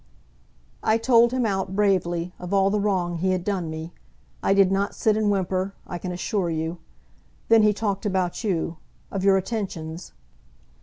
"I told him out, bravely, of all the wrong he had done me. I did not sit and whimper, I can assure you. Then he talked about you, of your attentions."